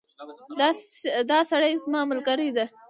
دا سړی زما ملګری ده